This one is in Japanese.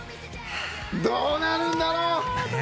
どうなるんだろう！